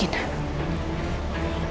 iya ibu nda